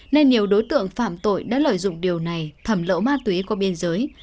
nên nhiều đối tượng phạm tội đã lợi dụng điều này thẩm lậu ma túy qua biên giới